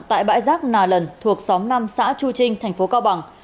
tại bãi rác nà lần thuộc xóm năm xã chu trinh thành phố cao bằng